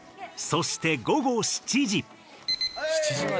そして午後７時。